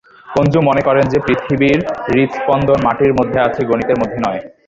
কুনজু মনে করেন যে, পৃথিবীর হৃৎস্পন্দন মাটির মধ্যে আছে, গণিতের মধ্যে নয়।